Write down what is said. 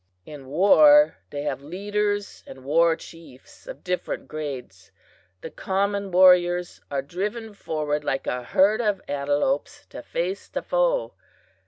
"In war they have leaders and war chiefs of different grades. The common warriors are driven forward like a herd of antelopes to face the foe.